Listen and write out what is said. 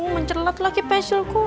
mencelet lagi pencilku